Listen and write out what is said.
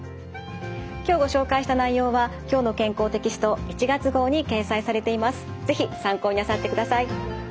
今日ご紹介した内容は「きょうの健康」テキスト１月号に掲載されています。